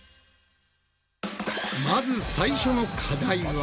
まず最初の課題は？